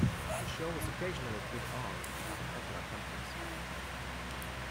The show is occasionally put on by opera companies.